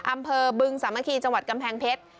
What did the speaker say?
อำเภอบึงสามัคคีจังหวัดกำแพงเพชร